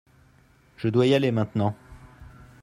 Je dois y aller maintenant.